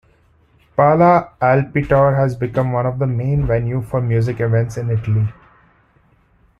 Pala Alpitour has become one of the main venue for music events in Italy.